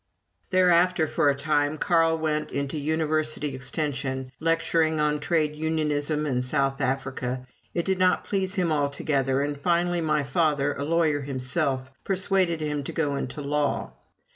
Thereafter, for a time, Carl went into University Extension, lecturing on Trade Unionism and South Africa. It did not please him altogether, and finally my father, a lawyer himself, persuaded him to go into law.